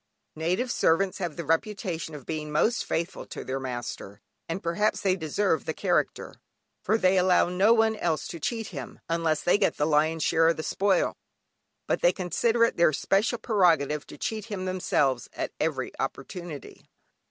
Native servants have the reputation of being most faithful to their master, and perhaps they deserve the character, for they allow no one else to cheat him (unless they get the lion's share of the spoil), but they consider it their special prerogative to cheat him themselves at every opportunity.